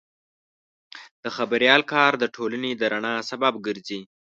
د خبریال کار د ټولنې د رڼا سبب ګرځي.